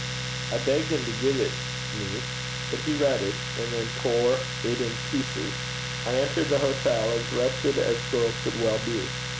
I begged him to give it me, but he read it, and then tore it in pieces. I entered the hotel, as wretched as girl could well be.